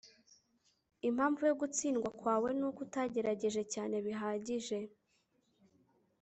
impamvu yo gutsindwa kwawe nuko utagerageje cyane bihagije